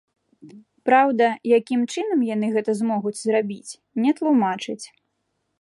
Праўда, якім чынам яны гэта змогуць зрабіць, не тлумачыць.